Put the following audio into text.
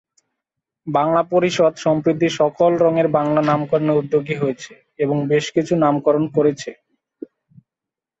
বাংলা পরিষদ সম্প্রতি সকল রংয়ের বাংলা নামকরণে উদ্যোগী হয়েছে এবং বেশকিছু নামকরণ করেছে।